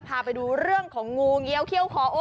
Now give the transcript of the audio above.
พาไปดูเรื่องของงูเงี้ยวเขี้ยวคอโอ้